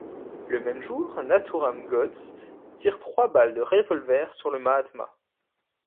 Le même jour, Nathuram Godse tire trois balles de revolver sur le Mahatma.